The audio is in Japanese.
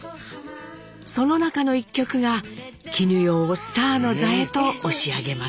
その中の１曲が絹代をスターの座へと押し上げます。